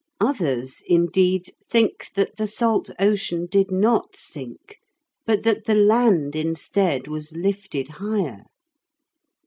Others, indeed, think that the salt ocean did not sink, but that the land instead was lifted higher.